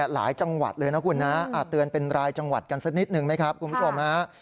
หลายจังหวัดเลยนะคุณนะเตือนเป็นรายจังหวัดกันสักนิดหนึ่งไหมครับคุณผู้ชมฮะ